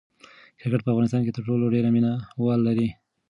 کرکټ په افغانستان کې تر ټولو ډېر مینه وال لري.